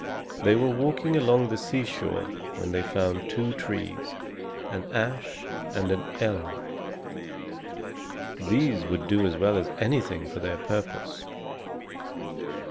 They were walking along the seashore when they found two trees, an ash and an elm. These would do as well as anything for their purpose.